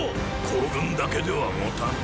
後軍だけではもたぬ。